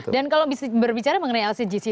dan kalau berbicara mengenai lcgc